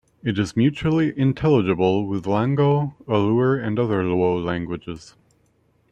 It is mutually intelligible with Lango, Alur and other Luo languages.